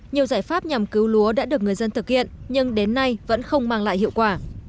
nhiều giải pháp nhằm cứu lúa đã được người dân thực hiện nhưng đến nay vẫn không mang lại hiệu quả